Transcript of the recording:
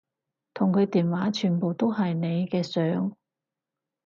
同佢電話全部都係你嘅相